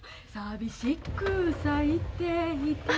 「淋しく咲いていた」